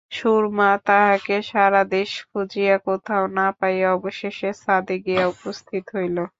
সুরমা তাহাকে সারাদেশ খুঁজিয়া, কোথাও না পাইয়া অবশেষে ছাদে গিয়া উপস্থিত হইল।